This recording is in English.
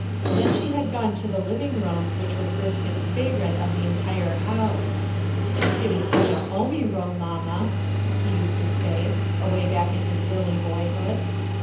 Then she had gone to the living room which was Erskine's favorite of the entire house* "It is such a home y room, mamma," he used to say, away back in his early boyhood.